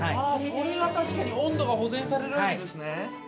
◆それは確かに温度が保全されるわけですね。